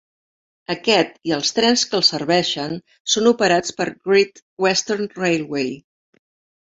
Aquest i els trens que el serveixen, són operats per Great Western Railway.